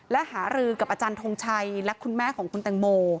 และหารือกับอาจารย์ทงชัยและคุณแม่ของคุณแตงโม